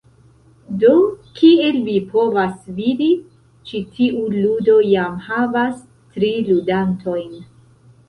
Do, kiel vi povas vidi, ĉi tiu ludo jam havas tri ludantojn.